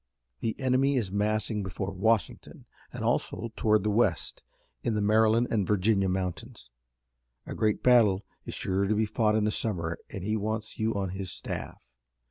The enemy is massing before Washington and also toward the West in the Maryland and Virginia mountains. A great battle is sure to be fought in the summer and he wants you on his staff.